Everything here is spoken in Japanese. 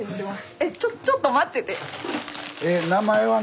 えちょっと待ってて！